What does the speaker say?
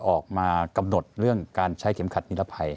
ออกมากำหนดเรื่องการใช้เข็มขัดนิรภัย